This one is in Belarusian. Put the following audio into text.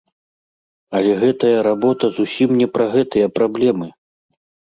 Але гэтая работа зусім не пра гэтыя праблемы!